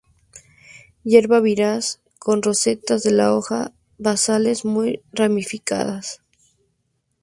Hierba vivaz con rosetas de hojas basales muy ramificadas.